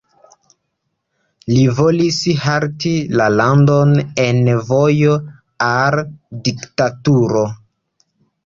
Li volis halti la landon en vojo al diktaturo.